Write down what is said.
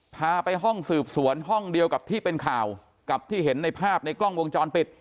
พาไปห้องสืบสวนห้องเดียวกับที่เป็นข่าวกับที่เห็นในภาพในกล้องวงจรปิด